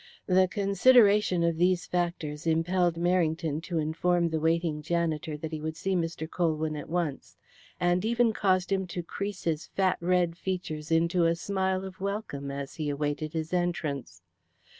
The consideration of these factors impelled Merrington to inform the waiting janitor that he would see Mr. Colwyn at once, and even caused him to crease his fat red features into a smile of welcome as he awaited his entrance.